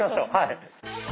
はい。